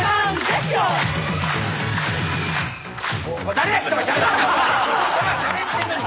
誰や人がしゃべってるのに！